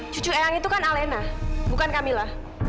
cucu eyang itu kan alena bukan camillah